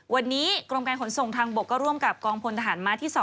วันนี้กรมการขนส่งทางบกก็ร่วมกับกองพลทหารม้าที่๒